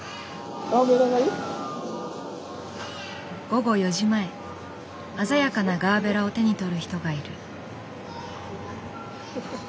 午後４時前鮮やかなガーベラを手に取る人がいる。